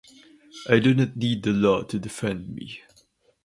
I do not need the law to defend me.